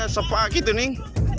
sepak gitu nih